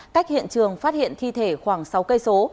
cách hiện trường phát hiện thi thể khoảng sáu km